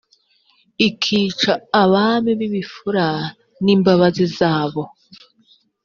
ikica abami bibifura nimbabazi zabo